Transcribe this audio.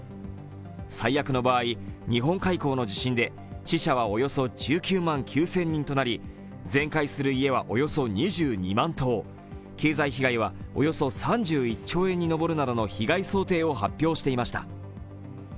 最悪の場合、日本海溝の地震で死者はおよそ１９万９０００人となり全壊する家はおよそ２２万棟、経済被害はおよそ３１兆円に上るなどの被害想定を発表していました。